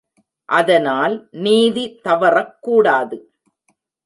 அதனால் நீதி தவறக்கூடாது.